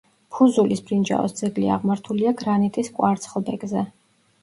ფუზულის ბრინჯაოს ძეგლი აღმართულია გრანიტის კვარცხლბეკზე.